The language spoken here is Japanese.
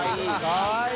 かわいい。